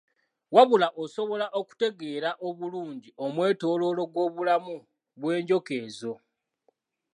Wabula, osobola okutegeera obulungi omwetooloolo gw’obulamu bw’enjoka ezo.